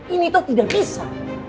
ini toh tidak bisa